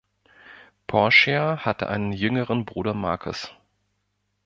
Porcia hatte einen jüngeren Bruder Marcus.